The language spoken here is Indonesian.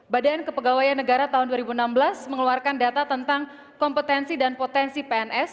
badan kepegawaian negara tahun dua ribu enam belas mengeluarkan data tentang kompetensi dan potensi pns